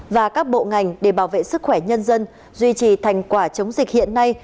và các bộ ngành để bảo vệ sức khỏe nhân dân duy trì thành quả chống dịch hiện nay